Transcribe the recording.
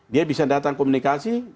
dia bisa datang komunikasi